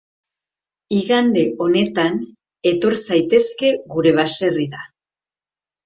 Igande honetan etor zaitezke gure baserrira.